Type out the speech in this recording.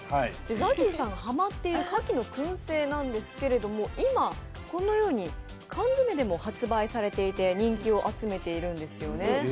ＺＡＺＹさんがハマっているかきのくん製なんですが今、このように缶詰でも発売されていて人気を集めているんですよね。